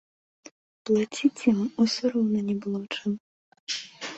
Плаціць ім усё роўна не было чым.